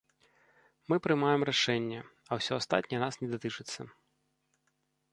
Мы прымаем рашэнне, а ўсё астатняе нас не датычыцца.